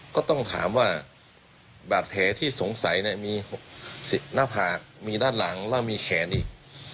ก็ต้องถามว่าบาดแผลที่สงสัยมีหน้าผากมีด้านหลังแล้วมีแขนอีก